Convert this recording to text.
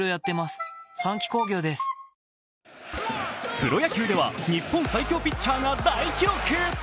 プロ野球では日本最強ピッチャーが大記録。